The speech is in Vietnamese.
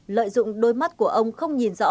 lợi dụng đôi mắt của ông không có khả năng truy đuổi